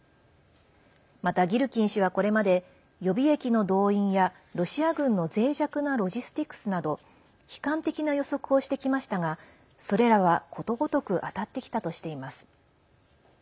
またギルキン氏は、これまで予備役の動員やロシア軍のぜい弱なロジスティックスなど悲観的な予測をしてきましたがそれらは、ことごとく当たってきたとしています。